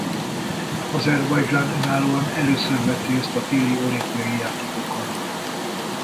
Azerbajdzsán önállóan először vett részt a téli olimpiai játékokon.